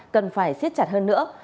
cần phải xiết chặt hơn nữa